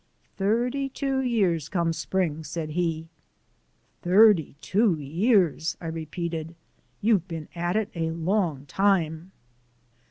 "Thirty two years come spring," said he. "Thirty two years!" I repeated; "you've been at it a long time."